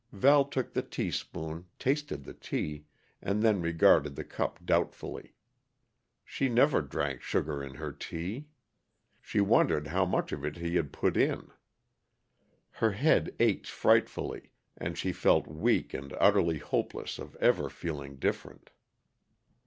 Val took up the teaspoon, tasted the tea, and then regarded the cup doubtfully. She never drank sugar in her tea. She wondered how much of it he had put in. Her head ached frightfully, and she felt weak and utterly hopeless of ever feeling different.